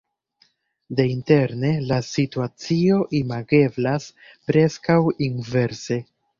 Deinterne la situacio imageblas preskaŭ inverse.